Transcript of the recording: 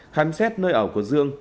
khám xét nơi ở của dương